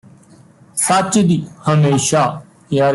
ਸੱਚ ਦੀ ਹਮੇਸ਼ਾ ਜੈ ਹੁੰਦੀ ਹੈ